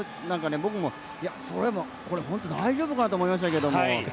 僕もこれ、本当に大丈夫かなと思いましたけど。